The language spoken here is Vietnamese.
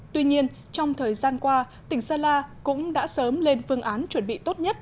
tuy nhiên trong thời gian qua tỉnh sơn la cũng đã sớm lên phương án chuẩn bị tốt nhất